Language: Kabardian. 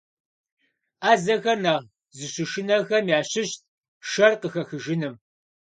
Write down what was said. Ӏэзэхэр нэхъ зыщышынэхэм ящыщт шэр къыхэхыжыным.